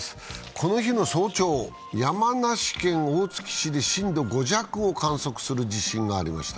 この日の早朝、山梨県大月市で震度５弱を観測する地震がありました。